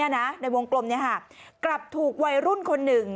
ในวงกลมกลับถูกวัยรุ่นคนหนึ่ง